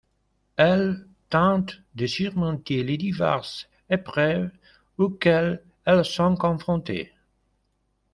Elles tentent de surmonter les diverses épreuves auxquelles elles sont confrontées.